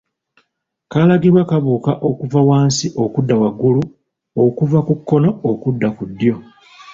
Kalagibwa kabuka okuva wansi okudda waggulu okuva ku kkono okudda ku ddyo